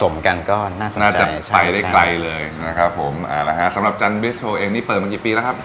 น่าจะไปได้ไกลเลยนะครับผมสำหรับจันบิสโตเองนี่เปิดมากี่ปีแล้วครับ